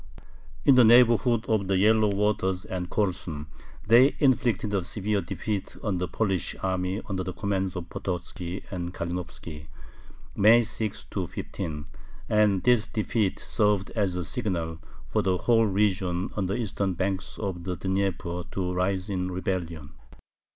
In the neighborhood of the Yellow Waters and Korsun they inflicted a severe defeat on the Polish army under the command of Pototzki and Kalinovski (May 6 15), and this defeat served as a signal for the whole region on the eastern banks of the Dnieper to rise in rebellion.